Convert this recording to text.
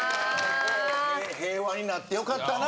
平和になってよかったな。